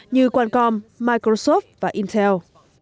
như qualcomm microsoft và intel